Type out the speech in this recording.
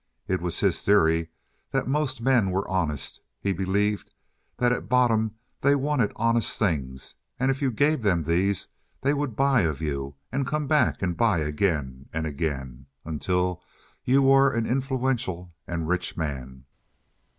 It was his theory that most men were honest; he believed that at bottom they wanted honest things, and if you gave them these they would buy of you, and come back and buy again and again, until you were an influential and rich man.